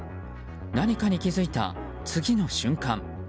何かに気付いた次の瞬間